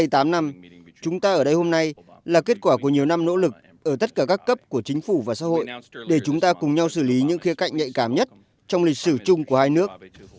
chúng ta ở đây hôm nay là kết quả của nhiều năm nỗ lực ở tất cả các cấp của chính phủ và xã hội để chúng ta cùng nhau xử lý những khía cạnh nhạy cảm nhất trong lịch sử chung của hai nước